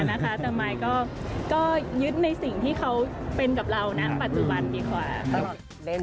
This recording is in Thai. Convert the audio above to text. แล้วเขาแสดงความแบบอันนี้เขายังไงบ้าง